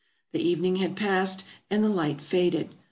The evening had passed, and the light faded.